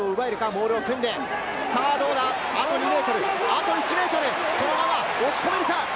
モールを組んで、あと２ｍ、あと１ｍ、そのまま押し込めるか？